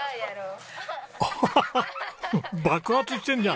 アハハハ爆発してんじゃん！